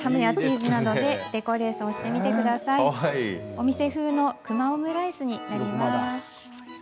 お店風のくまオムライスになります。